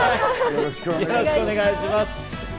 よろしくお願いします。